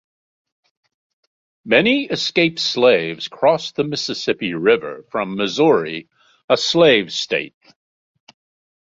Many escaped slaves crossed the Mississippi River from Missouri, a slave state.